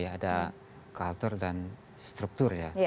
ada kultur dan struktur